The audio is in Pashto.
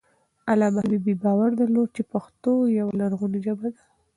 علامه حبيبي باور درلود چې پښتو یوه لرغونې ژبه ده.